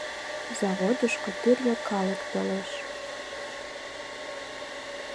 Заводышко тӱрлӧ калык толеш.